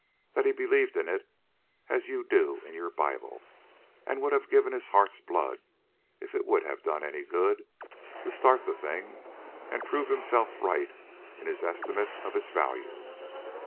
That he believed in it as you do in your Bible, and would have given his heart's blood, if it would have done any good, to start the thing, and prove himself right in his estimate of its value.